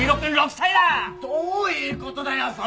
どういうことだよそれ！